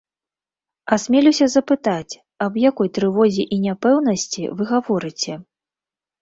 Асмелюся запытаць, аб якой трывозе і няпэўнасці вы гаворыце?